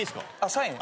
サインね。